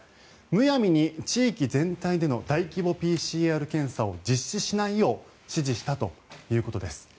むやみに地域全体での大規模ＰＣＲ検査を実施しないよう指示したということです。